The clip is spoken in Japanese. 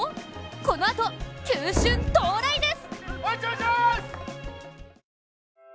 このあと球春到来です！